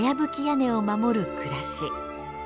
屋根を守る暮らし。